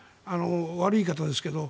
悪い言い方ですけど。